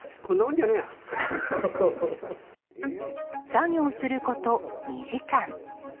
作業すること２時間。